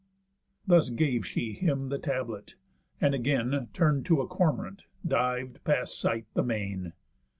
Thus gave she him the tablet; and again, Turn'd to a cormorant, div'd, past sight, the main.